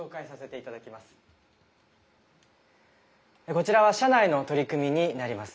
こちらは社内の取り組みになります。